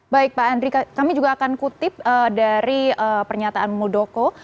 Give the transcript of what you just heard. baik pak andri kami juga akan kutip dari pernyataan muldoko